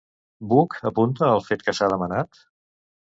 Buch apunta al fet que s'ha demanat?